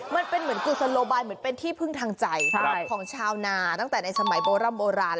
มันเป็นกรุงสรบินหรือเป็นที่พึ่งทางใจของชาวนาตั้งแต่ในสมัยโบราณ